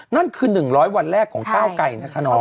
นั่นคือ๑๐๐วันแรกของก้าวไกรนะคะน้อง